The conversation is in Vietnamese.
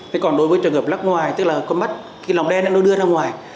thế còn đối với trường hợp lắc ngoài tức là con mắt cái lòng đen nó đưa ra ngoài